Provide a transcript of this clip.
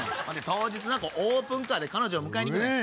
当日オープンカーで彼女を迎えに行くねん。